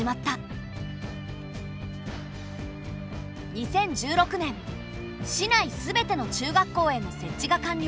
２０１６年市内すべての中学校への設置が完了。